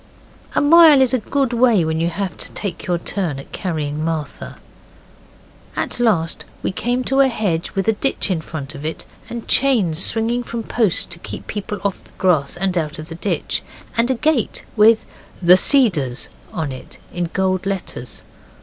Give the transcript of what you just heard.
A mile is a good way when you have to take your turn at carrying Martha. At last we came to a hedge with a ditch in front of it, and chains swinging from posts to keep people off the grass and out of the ditch, and a gate with 'The Cedars' on it in gold letters.